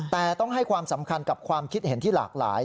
แต่ต้องให้ความสำคัญกับความคิดเห็นที่หลากหลาย